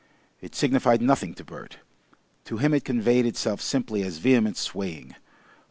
It signified nothing to Bert. To him it conveyed itself simply as vehement swaying.